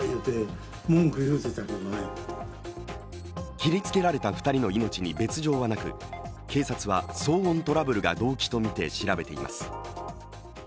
切りつけられた２人の命に別状はなく警察は騒音トラブルが動機とみて調べています